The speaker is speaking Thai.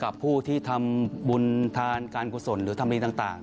และกับผู้ที่ทำบุญทางการกุศลหรือธรรมนี้ต่าง